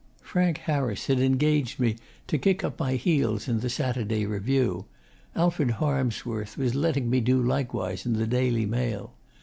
Frank Harris had engaged me to kick up my heels in The Saturday Review, Alfred Harmsworth was letting me do likewise in The Daily Mail.